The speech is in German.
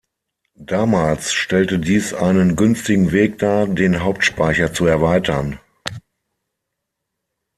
Damals stellte dies einen günstigen Weg dar, den Hauptspeicher zu erweitern.